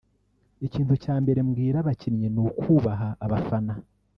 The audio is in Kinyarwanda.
Ikintu cya mbere mbwira abakinnyi ni ukubaha abafana